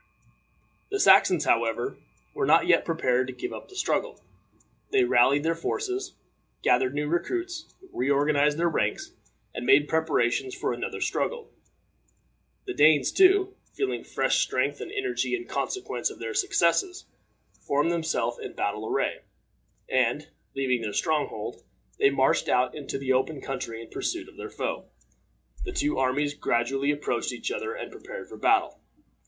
The Saxons, however, were not yet prepared to give up the struggle. They rallied their forces, gathered new recruits, reorganized their ranks, and made preparations for another struggle. The Danes, too, feeling fresh strength and energy in consequence of their successes, formed themselves in battle array, and, leaving their strong hold, they marched out into the open country in pursuit of their foe. The two armies gradually approached each other and prepared for battle.